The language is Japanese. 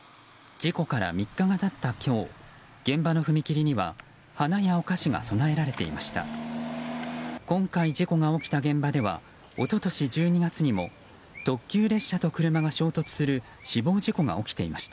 事故から３日が経った今日現場の踏切には花やお菓子が供えられていました。